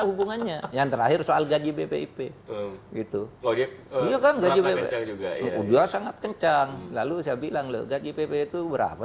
pertumbuhannya yang terakhir soal gaji bpp itu sangat kencang lalu saya bilang gaji pp itu berapa